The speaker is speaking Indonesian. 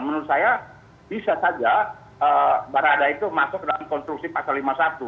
menurut saya bisa saja barada itu masuk dalam konstruksi pasal lima puluh satu